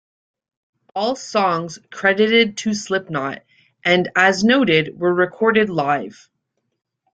All songs credited to Slipknot and, as noted, were recorded live.